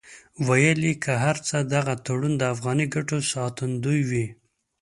ویل یې که هر څو دغه تړون د افغاني ګټو ساتندوی وي.